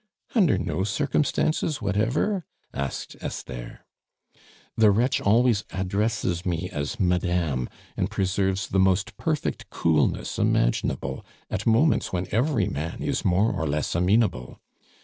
"Under no circumstances whatever?" asked Esther. "The wretch always addresses me as Madame, and preserves the most perfect coolness imaginable at moments when every man is more or less amenable.